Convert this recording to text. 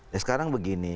ya sekarang begini